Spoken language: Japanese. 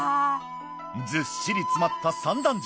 ずっしり詰まった三段重。